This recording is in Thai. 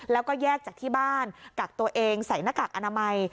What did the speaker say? แล้วก็แยกจากที่บ้านกักตัวเองใส่หน้ากากอนามัย